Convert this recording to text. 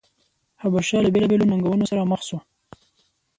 حبشه له بېلابېلو ننګونو سره مخ شوه.